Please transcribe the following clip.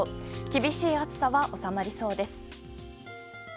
厳しい暑さは収まりそうです。